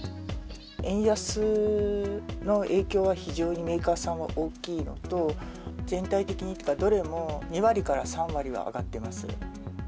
円安の影響は非常にメーカーさんは大きいのと、全体的にというか、どれも２割から３割は上がってます。